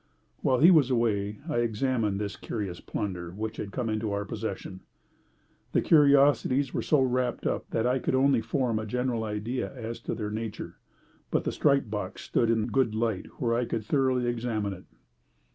While he was away I examined this curious plunder which had come into our possession. The curiosities were so wrapped up that I could only form a general idea as to their nature, but the striped box stood in a good light where I could thoroughly examine it.